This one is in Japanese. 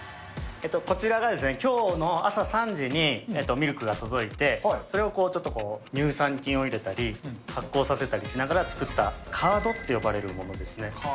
こちらが、きょうの朝３時にミルクが届いて、それをちょっと乳酸菌を入れたり、発酵させたりしながら作ったカードっていうものですね。